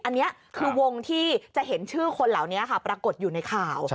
อันนี้คือวงที่จะเห็นชื่อคนเหล่านี้ค่ะปรากฏอยู่ในข่าว